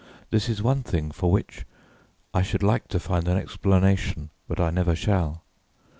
This is one thing for which I should like to find an explanation, but I never shall.